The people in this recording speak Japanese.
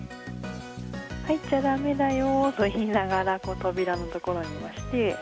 入っちゃだめだよーと言いながら、扉の所にいまして。